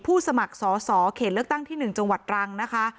สมัครสอสอเขตเลือกตั้งที่๑จังหวัดรังนะคะ